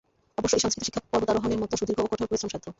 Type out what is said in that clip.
অবশ্য এই সংস্কৃত শিক্ষা পর্বতারোহণের মত সুদীর্ঘ ও কঠোর পরিশ্রমসাধ্য।